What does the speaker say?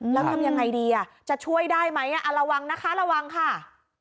แล้วทำยังไงดีจะช่วยได้ไหมระวังนะคะระวังค่ะ